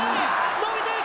伸びていく。